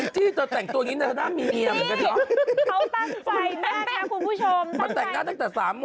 มีไม่ให้มีเกา